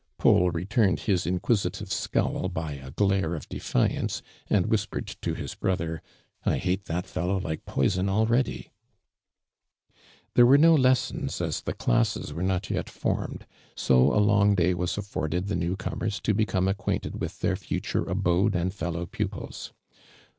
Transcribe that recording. Paul retmned his in<piisitive scowl by a glare of <leliance, ami whisjx.fcd to his lirother: "I hate that fellow like poison already !'' Theie were no lessons as the classes were not yet formed, ,so a long day was attbrded tl»e new comers to become ac(|uainted with tlieir future abfule an<l fellow juipils.